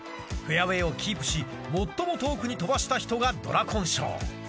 フェアウェイをキープし最も遠くに飛ばした人がドラコン賞。